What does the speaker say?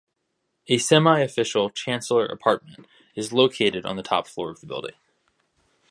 A semi official Chancellor apartment is located on the top floor of the building.